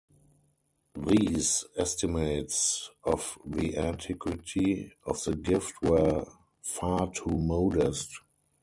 These estimates of the antiquity of the gift were far too modest.